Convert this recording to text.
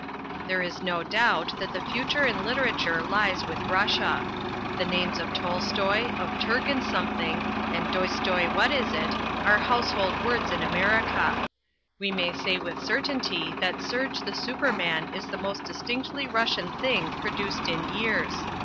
There is no doubt that the future in literature lies with Russia. The names of Tolstoi, of Turgan something, and Dostoi what is it are household words in America. We may say with certainty that Serge the Superman is the most distinctly Russian thing produced in years.